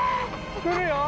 来るよ